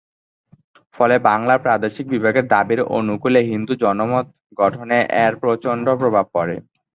ফলে বাংলা প্রাদেশিক বিভাগের দাবির অনুকূলে হিন্দু জনমত গঠনে এর প্রচন্ড প্রভাব পড়ে।